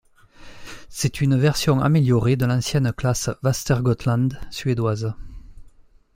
C'est une version améliorée de l'ancienne classe Västergötland suédoise.